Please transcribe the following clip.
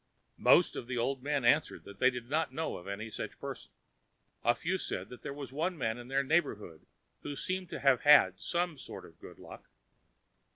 Most of the old men answered that they did not know of any such person. A few said that there was one man in their neighborhood who seemed to have had some sort of good luck.